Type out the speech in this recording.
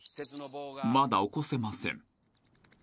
［まだおこせません］